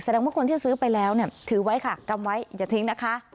ว่าคนที่ซื้อไปแล้วเนี่ยถือไว้ค่ะกำไว้อย่าทิ้งนะคะ